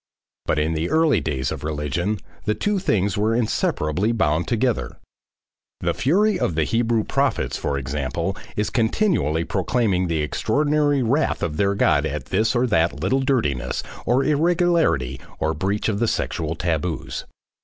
But in the early days of religion the two things were inseparably bound together; the fury of the Hebrew prophets, for example, is continually proclaiming the extraordinary "wrath" of their God at this or that little dirtiness or irregularity or breach of the sexual tabus.